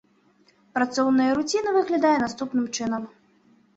Працоўная руціна выглядае наступным чынам.